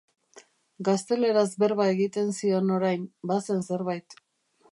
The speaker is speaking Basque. Gazteleraz berba egiten zion orain, bazen zerbait.